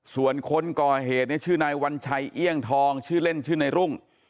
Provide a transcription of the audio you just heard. ส่วนคนก่อเหตุเนี่ยชื่อนายวัญชัยเอี่ยงทองชื่อเล่นชื่อในรุ่ง